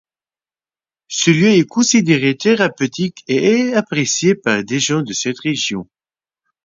Ce lieu est considéré thérapeutique et est apprécié par des gens de cette région.